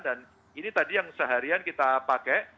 dan ini tadi yang seharian kita pakai